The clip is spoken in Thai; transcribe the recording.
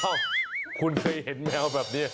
เอ้าคุณเคยเห็นแมวแบบนี้